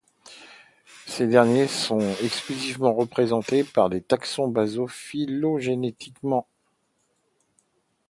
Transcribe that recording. Ces derniers sont exclusivement représentés par des taxons basaux phylogénétiquement.